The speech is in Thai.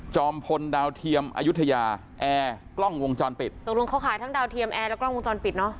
พลดาวเทียมอายุทยาแอร์กล้องวงจรปิดตกลงเขาขายทั้งดาวเทียมแอร์และกล้องวงจรปิดเนอะ